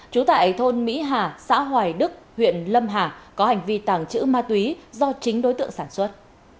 trú tại thôn mỹ hà xã hoài đức huyện lâm hà có hành vi tàng trữ ma túy do chính đối tượng sản xuất